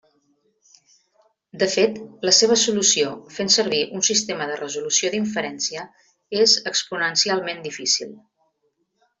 De fet, la seva solució fent servir un sistema de resolució d'inferència és exponencialment difícil.